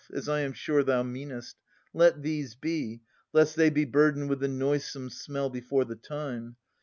As I am sure thou meanest. Let these be, Lest they be burdened with the noisome smell Before the time.